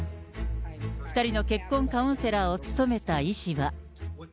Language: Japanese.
２人の結婚カウンセラーを務めた医師は。